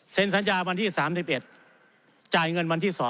สัญญาวันที่๓๑จ่ายเงินวันที่๒